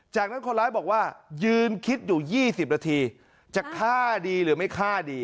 จากนั้นคนร้ายบอกว่ายืนคิดอยู่๒๐นาทีจะฆ่าดีหรือไม่ฆ่าดี